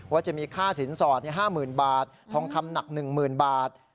ว่าจะมีค่าสินสอด๕๐๐๐บาททองคำหนัก๑๐๐๐บาท